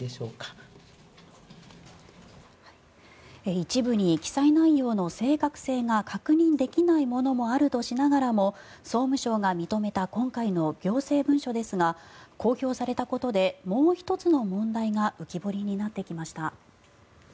一部に記載内容の正確性が確認できないものもあるとしながらも総務省が認めた今回の行政文書ですが公表されたことでもう１つの問題が浮き彫りになってきました。